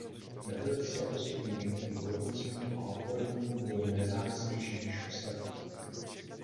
Metodické postupy některých hodnocení a odborníků budou nezávislejší než ostatní.